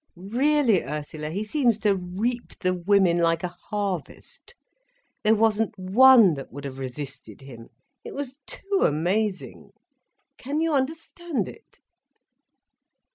Really, Ursula, he seems to reap the women like a harvest. There wasn't one that would have resisted him. It was too amazing! Can you understand it?"